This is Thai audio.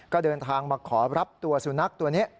ก็เดินทางมาขอรับตัวสุนัขตัวนี้